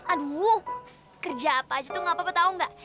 aduh kerja apa aja tuh gak apa apa tahu nggak